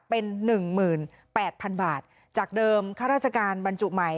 เป็นหนึ่งหมื่นแปดพันบาทจากเดิมค่าราชการบรรจุใหม่